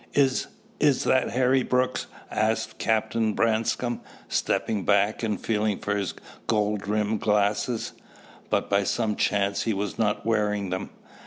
"Is is that Harry Brooks?" asked Captain Branscome, stepping back and feeling for his gold rimmed glasses. But by some chance he was not wearing them.